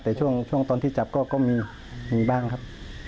แต่ช่วงตอนที่จับก็มีบ้างครับ